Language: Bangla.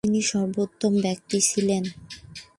তিনি সর্বোত্তম ব্যক্তি ছিলেন।